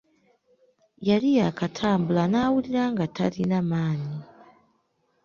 Yali yaakatambula n'awulira nga talina maanyi.